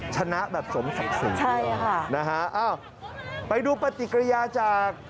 ชนะแบบสมศักดิ์ศรีใช่ค่ะนะฮะอ้าวไปดูปฏิกิริยาจาก